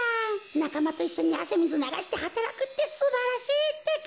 なかまといっしょにあせみずながしてはたらくってすばらしいってか！